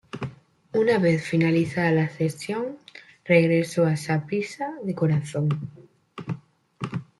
Una vez finalizada la cesión, regresó a Saprissa de Corazón.